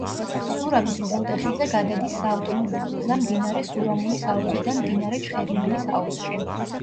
სურამის უღელტეხილზე გადადის საავტომობილო გზა მდინარე სურამულის აუზიდან მდინარე ჩხერიმელის აუზში.